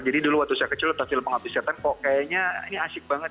dulu waktu saya kecil udah film pengabdi setan kok kayaknya ini asik banget